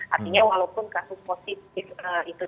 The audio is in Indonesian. artinya walaupun kasus positif itu